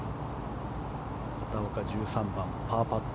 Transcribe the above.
畑岡１３番、パーパット。